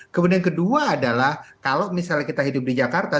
kemudian kedua adalah kalau misalnya kita hidup di jakarta